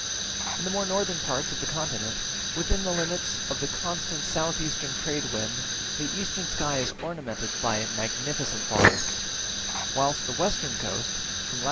In the more northern parts of the continent, within the limits of the constant south eastern trade wind, the eastern side is ornamented by magnificent forests; whilst the western coast, from lat.